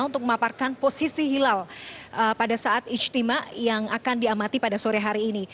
untuk memaparkan posisi hilal pada saat ijtima yang akan diamati pada sore hari ini